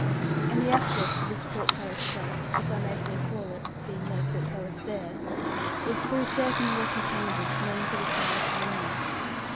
And the access to this portcullis place if I may so call it, being no portcullis there was through certain rocky chambers known to the tenants only.